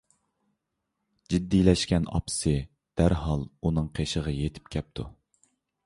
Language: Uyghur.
جىددىيلەشكەن ئاپىسى دەرھال ئۇنىڭ قېشىغا يېتىپ كەپتۇ.